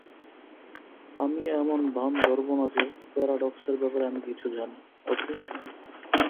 আমি এমন ভান ধরব না যে প্যারাডক্সের ব্যাপারে আমি কিছু জানি, ওকে?